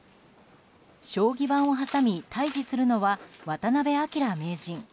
将棋盤を挟み対峙するのは渡辺明名人。